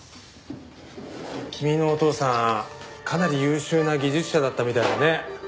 君のお父さんかなり優秀な技術者だったみたいだね。